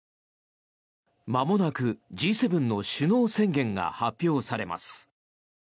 まもなくＧ７の首脳宣言が発表されます。